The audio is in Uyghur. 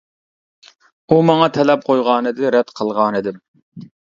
ئۇ ماڭا تەلەپ قويغانىدى، رەت قىلغانىدىم.